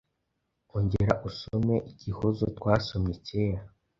Ongera usome igihozo twasomye cyera.